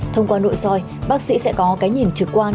thông qua nội soi bác sĩ sẽ có cái nhìn trực quan